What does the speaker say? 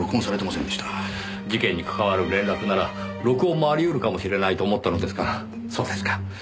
事件に関わる連絡なら録音もありうるかもしれないと思ったのですがそうですか。